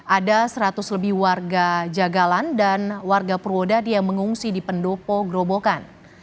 ada seratus lebih warga jagalan dan warga purwodadi yang mengungsi di pendopo gerobokan